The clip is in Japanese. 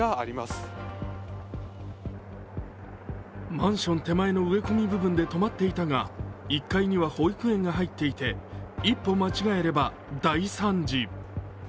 マンション手前の植え込み部分で止まっていたが１階には保育園が入っていて、一歩間違えれば大惨事。